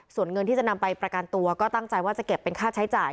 ส่วนเงินที่จะนำไปประกันตัวก็ตั้งใจว่าจะเก็บเป็นค่าใช้จ่าย